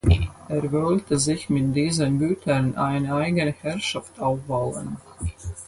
Er wollte sich mit diesen Gütern eine eigene Herrschaft aufbauen.